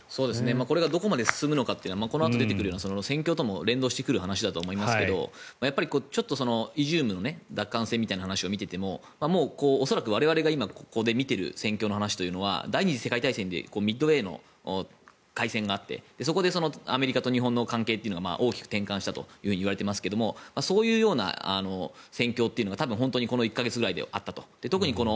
これがどこまで進むのかはこのあとに出てくる戦況とも連動してくる話だと思いますがちょっとイジュームの奪還戦みたいな話を見ていてももう恐らく我々がここで今見ている戦況の話というのは第２次世界大戦でミッドウェーの海戦があってそこでアメリカと日本の関係というのが大きく転換したといわれていますがそういう戦況というのが多分本当にこの１か月ぐらいであったと。